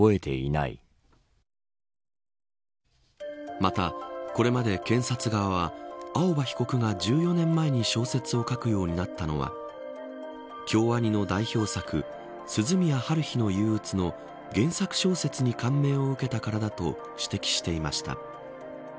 また、これまで検察側は青葉被告が１４年前に小説を書くようになったのは京アニの代表作涼宮ハルヒの憂鬱の原作小説に感銘を受けたからだと指摘していました。